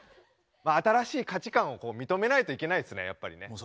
まあ新しい価値観をこう認めないといけないですねやっぱりね。